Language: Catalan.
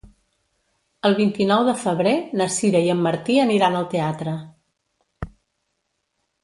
El vint-i-nou de febrer na Sira i en Martí aniran al teatre.